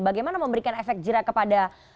bagaimana memberikan efek jerak kepada